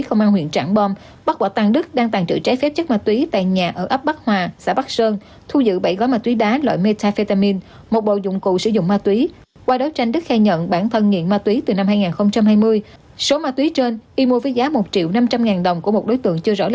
công an huyện tráng bom tỉnh đồng nai đã ra quyết định khởi tố vụ án khởi tố bị can bắt tạm giam trong một vụ án làm giả con dấu tài liệu của cơ quan tổ chức